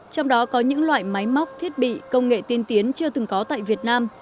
trong đó có những loại máy móc thiết bị công nghệ tiên tiến chưa từng có tại việt nam